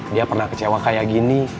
dia pernah kecewa kayak gini